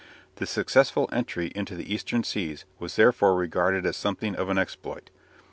The successful entry into the Eastern seas was therefore regarded as something of an exploit.